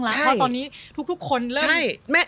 เพราะตอนนี้ทุกคนเริ่มไปหมดแล้ว